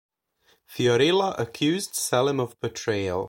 Fiorilla accuses Selim of betrayal.